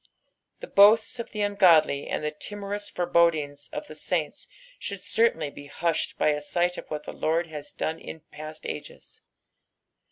The boasts of the ungodly and the timorous forebodings of the saints should certwnly be hushed by a sight of what the Lord has done in past ages.